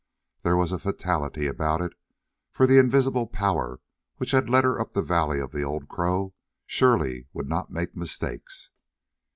There was a fatality about it, for the invisible Power which had led her up the valley of the Old Crow surely would not make mistakes.